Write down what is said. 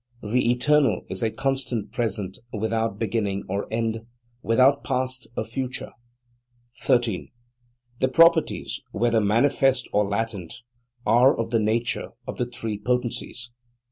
The eternal is a constant present without beginning or end, without past or future." 13. These properties, whether manifest or latent, are of the nature of the Three Potencies.